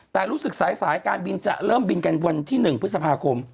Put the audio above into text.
แต่รู้สึกสายการบินจะเริ่มบินกันวันที่๑พฤษภาคม